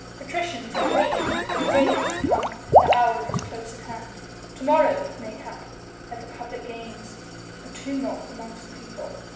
Patricians awake! The day hath come, the hour is close at hand. To morrow, mayhap, at the public games ... a tumult amongst the people